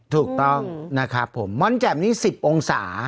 ถูกต้องนะครับผมม่อนแจ่มนี่๑๐องศา